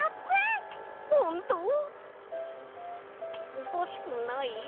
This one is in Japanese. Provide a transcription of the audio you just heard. おかしくない？